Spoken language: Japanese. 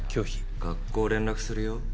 学校連絡するよ。